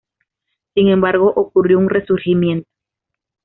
Sin embargo ocurrió un resurgimiento.